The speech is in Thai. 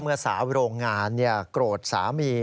เมื่อสาวโรงงานโกรธสามี